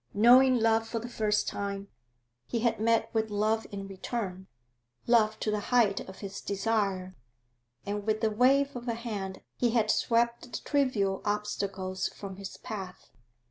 Knowing love for the first time, he had met with love in return, love to the height of his desire, and with a wave of the hand he had swept the trivial obstacles from his path.